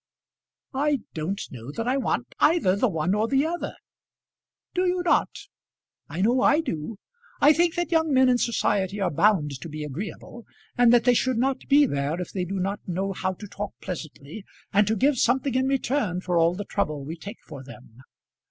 "I don't know that I want either the one or the other." "Do you not? I know I do. I think that young men in society are bound to be agreeable, and that they should not be there if they do not know how to talk pleasantly, and to give something in return for all the trouble we take for them."